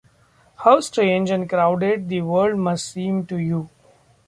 How strange and crowded the world must seem to you!